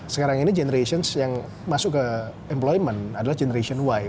sekarang ini generations yang masuk ke employment adalah generation y